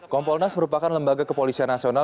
kompolnas merupakan lembaga kepolisian nasional